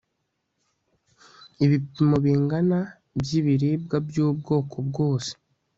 ibipimo bingana by'ibiribwa by'ubwoko bwose